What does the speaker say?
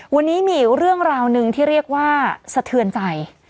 วันนี้มีอีกเรื่องราวหนึ่งที่เรียกว่าสะเทือนใจ